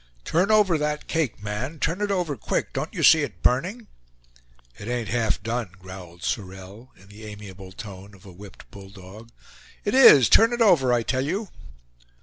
"Turn over that cake, man! turn it over, quick! Don't you see it burning?" "It ain't half done," growled Sorel, in the amiable tone of a whipped bull dog. "It is. Turn it over, I tell you!"